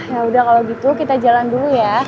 yaudah kalo gitu kita jalan dulu ya